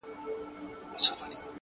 موږ د تاوان په کار کي یکایک ده ګټه کړې’